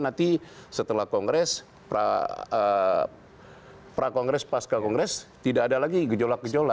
nanti setelah kongres prakongres pasca kongres tidak ada lagi gejolak gejolak